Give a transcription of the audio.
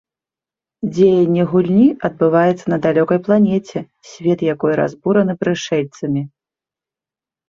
Дзеянне гульні адбываецца на далёкай планеце, свет якой разбураны прышэльцамі.